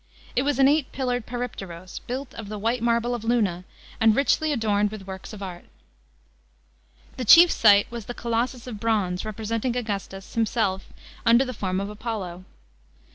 It, wa^ an < ight pMared peripteros, built of the white marble of Luna, and richly adorned with works of art. The chief sight was the colossus of bronze representing Augustus himself under the form of Apollo.